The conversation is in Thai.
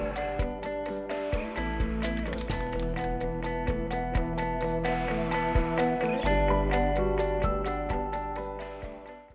โปรดติดตามตอนต่อไป